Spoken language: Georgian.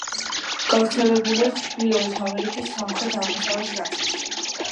გავრცელებულია ჩრდილოეთ ამერიკის სამხრეთ-აღმოსავლეთ ნაწილში.